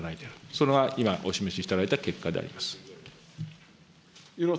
それが今、お示ししていただいた結果であります。